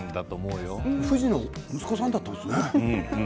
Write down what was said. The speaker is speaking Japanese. ふじの息子さんだったんですね。